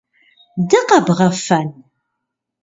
Дыкъэбгъэфэн?